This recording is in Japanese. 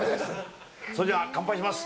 それじゃあ、乾杯します！